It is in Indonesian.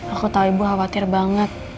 aku tahu ibu khawatir banget